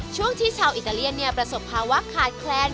ช่วงที่ชาวอิตาเลียนประสบภาวะขาดแคลน